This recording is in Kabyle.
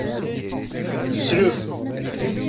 Tesleb.